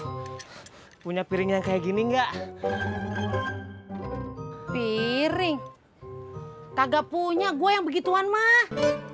punya piring yang kayak gini enggak piring kagak punya gue yang begituan mah